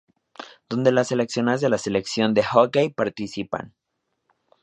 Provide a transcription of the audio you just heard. Donde las seleccionadas de la Selección de Hockey participan.